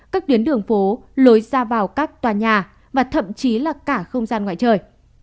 các tuyến đường phố lối ra vào các tòa nhà và thậm chí là cả không gian ngoài trời